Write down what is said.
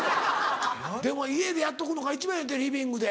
でも家でやっとくのが一番ええんやてリビングで。